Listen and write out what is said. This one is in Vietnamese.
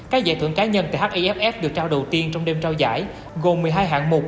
các giải thưởng cá nhân tại hiff được trao đầu tiên trong đêm trao giải gồm một mươi hai hạng mục